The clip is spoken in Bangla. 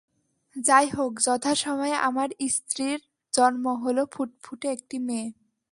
যাই হোক, যথাসময়ে আমার স্ত্রীর জন্ম হল-ফুটফুটে একটি মেয়ে।